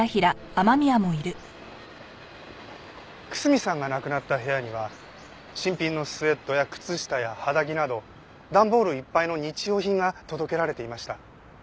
楠見さんが亡くなった部屋には新品のスウェットや靴下や肌着など段ボールいっぱいの日用品が届けられていました。